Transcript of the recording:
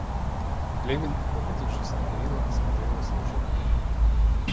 Левин, облокотившись на перила, смотрел и слушал.